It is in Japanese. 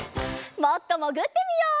もっともぐってみよう！